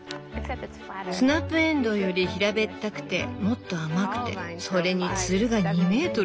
スナップエンドウより平べったくてもっと甘くてそれにツルが２メートルを超えるって。